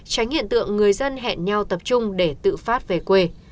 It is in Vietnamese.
tránh hiện tượng người dân hẹn nhau tập trung để tự phát về quê